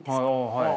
はい。